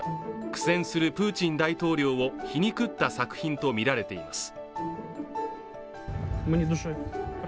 苦戦するプーチン大統領を皮肉った作品とみられています。